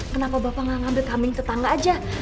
kenapa bapak gak ngambil kambing tetangga aja